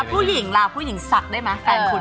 แล้วผู้หญิงลาผู้หญิงสักได้มั้ยแฟนคุณ